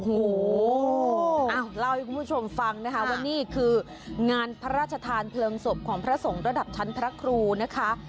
โอ้โหเล่าให้คุณผู้ชมฟังนะคะว่านี่คืองานพระราชทานเพลิงศพของพระสงฆ์ระดับชั้นพระครูนะคะ